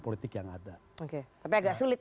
politik yang ada oke tapi agak sulit